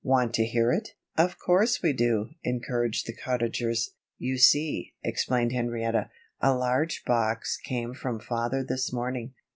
"Want to hear it?" "Of course we do," encouraged the Cottagers. "You see," explained Henrietta, "a large box came from Father this morning.